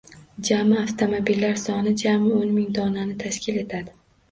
Jami avtomobillar soni jami o‘n ming donani tashkil etadi